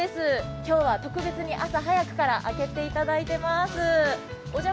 今日は特別に朝早くから開けていただいています。